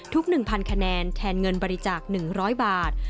๑๐๐คะแนนแทนเงินบริจาค๑๐๐บาท